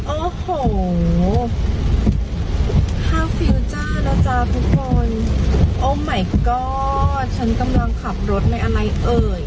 โอ้โหท่าฟิวเจ้านะจ้ะทุกคนโอ้ไหมก๊อดฉันกำลังขับรถไหมอะไรเอ่ย